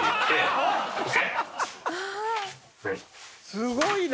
すごいな。